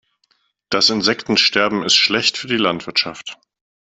Das Insektensterben ist schlecht für die Landwirtschaft.